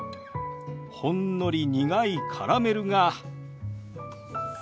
ほんのり苦いカラメルが。